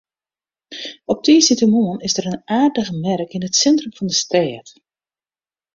Op tiisdeitemoarn is der in aardige merk yn it sintrum fan de stêd.